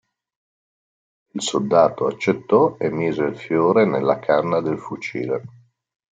Il soldato accettò e mise il fiore nella canna del fucile.